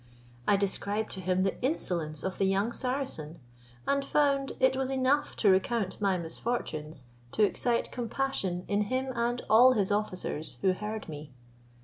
I described to him the insolence of the young Saracen, and found it was enough to recount my misfortunes, to excite compassion in him and all his officers, who heard me.